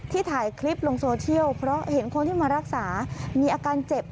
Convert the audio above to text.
ถ่ายคลิปลงโซเชียลเพราะเห็นคนที่มารักษามีอาการเจ็บ